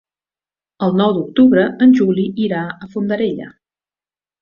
El nou d'octubre en Juli irà a Fondarella.